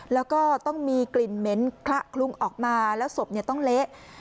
แล้วก็ต้องมีกลิ่นเหม็นคละคลุ้งออกมาแล้วศพต้องเละ